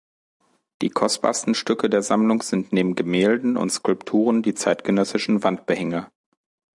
Die kostbarsten Stücke der Sammlung sind neben Gemälden und Skulpturen die zeitgenössischen Wandbehänge.